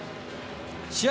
試合